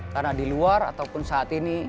karena di luar ataupun saat ini